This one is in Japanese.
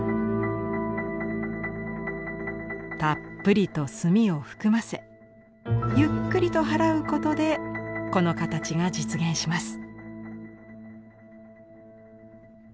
たっぷりと墨を含ませゆっくりと払うことでこの形が実現します。